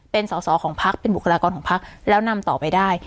เป็นสอสอของพักเป็นบุคลากรของพักแล้วนำต่อไปได้